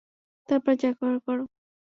তারপর যা করার করো।